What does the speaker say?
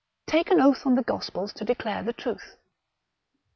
Take an oath on the Gospels to declare the truth."